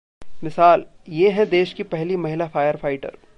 मिसाल: ये हैं देश की पहली महिला फायरफाइटर